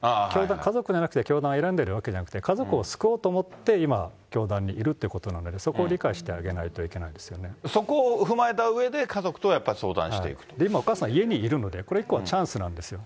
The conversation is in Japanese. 家族じゃなくて、教団選んでるわけじゃなくて、家族を救おうと思って、今、教団にいるということなんでね、そこを理解してあげないといけなそこを踏まえたうえで、今、お母さん、家にいるので、これ以降はチャンスなんですよ。